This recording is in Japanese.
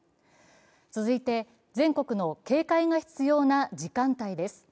続いて、全国の警戒が必要な時間帯です。